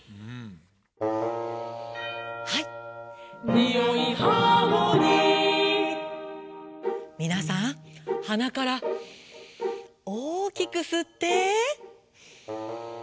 「においハーモニー」みなさんはなからおおきくすって。